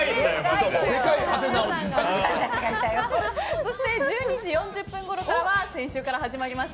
そして１２時４０分ごろからは先週から始まりました